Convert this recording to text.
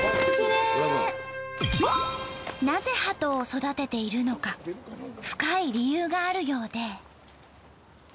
なぜハトを育てているのか深い理由があるようで。